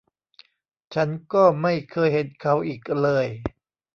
ฉันก็ไม่เคยเห็นเขาอีกเลย